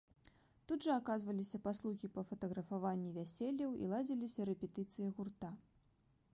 Тут жа аказваліся паслугі па фатаграфаванні вяселляў і ладзіліся рэпетыцыі гурта.